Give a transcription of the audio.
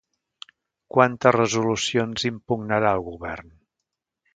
Quantes resolucions impugnarà el govern?